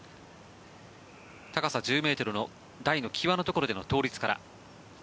高さは１０ｍの台の際のところでの倒立から。